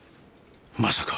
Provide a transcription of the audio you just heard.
まさか。